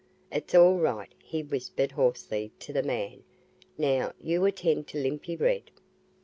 "It's all right," he whispered hoarsely to the man. "Now, you attend to Limpy Red."